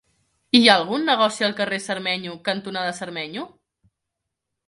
Hi ha algun negoci al carrer Cermeño cantonada Cermeño?